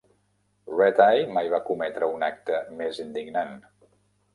Red-Eye mai va cometre un acte més indignant.